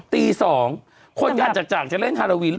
ตี๒คนอาจจะเล่นฮาราวีนหรือเปล่า